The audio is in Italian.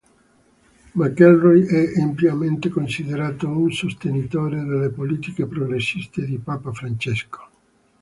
McElroy è ampiamente considerato un sostenitore delle politiche progressiste di papa Francesco.